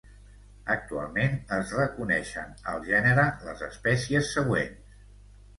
Actualment es reconeixen al gènere les espècies següents.